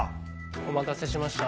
お待たせしました。